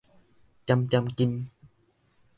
點點金